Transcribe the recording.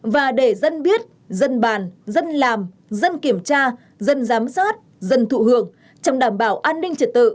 và để dân biết dân bàn dân làm dân kiểm tra dân giám sát dân thụ hưởng trong đảm bảo an ninh trật tự